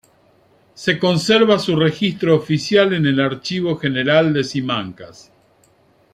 Se conserva su registro oficial en el Archivo General de Simancas.